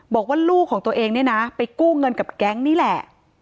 บอกว่าลูกของตัวเองเนี่ยนะไปกู้เงินกับแก๊งนี่แหละ